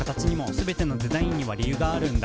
「全てのデザインには理由があるんだ」